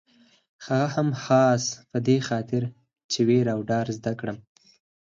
هغه هم خاص په دې خاطر چې وېره او ډار زده کړم.